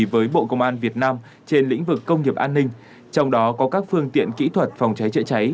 với bộ công an việt nam trên lĩnh vực công nghiệp an ninh trong đó có các phương tiện kỹ thuật phòng cháy chữa cháy